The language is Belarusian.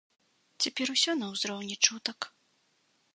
Цяпер ўсё на ўзроўні чутак.